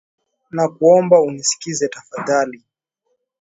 Nakuomba unisikize tafadhali.